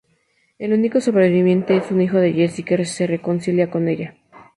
El único superviviente es un hijo de Jessie, que se reconcilia con ella.